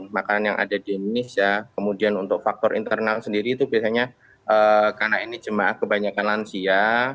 makanan yang ada di indonesia kemudian untuk faktor internal sendiri itu biasanya karena ini jemaah kebanyakan lansia